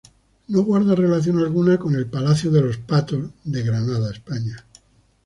No guarda relación alguna con el "Palacio de los Patos" de Granada, España.